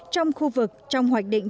trong khu vực trong hoạch định